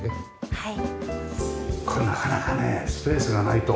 はい。